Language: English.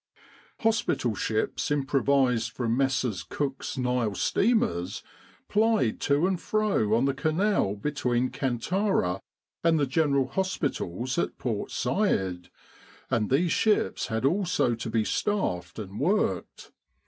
Hospital ships improvised from Messrs. Cook's Nile steamers plied to and fro on the Canal between Kantara and the General Hospitals at Port Said, and these ships had also to be staffed and worked.